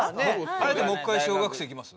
あえてもう１回小学生いきます？